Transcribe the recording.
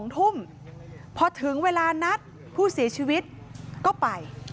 ๒ทุ่มพอถึงเวลานัดผู้เสียชีวิตก็ไป